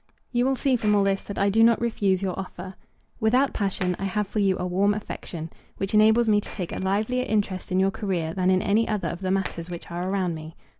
You will see from all this that I do not refuse your offer. Without passion, I have for you a warm affection, which enables me to take a livelier interest in your career than in any other of the matters which are around me.